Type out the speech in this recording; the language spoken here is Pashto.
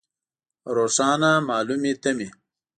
روښانه مالومې تمې.